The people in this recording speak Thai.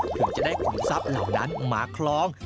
คงจะได้ขุมทรัพย์เหล่านั้นมาคล้อง